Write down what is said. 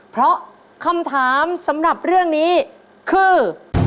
เพราะคำถามสำหรับเรื่องนี้คือ